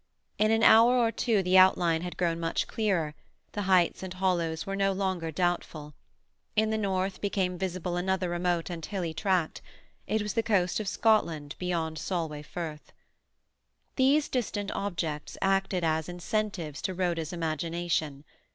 In an hour or two the outline had grown much clearer; the heights and hollows were no longer doubtful. In the north became visible another remote and hilly tract; it was the coast of Scotland beyond Solway Firth. These distant objects acted as incentives to Rhoda's imagination.